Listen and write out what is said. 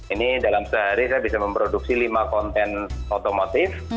ini dalam sehari saya bisa memproduksi lima konten otomotif